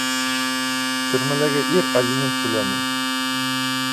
Төрмәләге ир алимент түләмәй